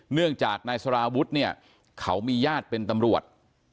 เนื่องจากนายสารวุฒิเนี่ยเขามีญาติเป็นตำรวจ